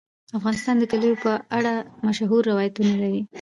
افغانستان د کلیو په اړه مشهور روایتونه لري.